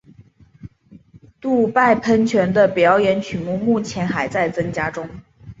杜拜喷泉的表演曲目目前还在增加中。